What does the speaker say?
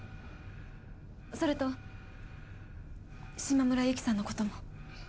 それと島村由希さんのことも。